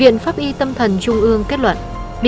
ngày sáu tháng tám năm hai nghìn một mươi ba